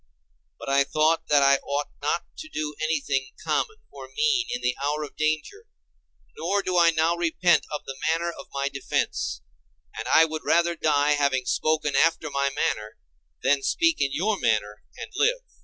But I thought that I ought not to do anything common or mean in the hour of danger: nor do I now repent of the manner of my defence, and I would rather die having spoken after my manner, than speak in your manner and live.